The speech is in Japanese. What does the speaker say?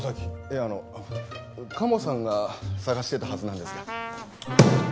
いやあのカモさんが探してたはずなんですが。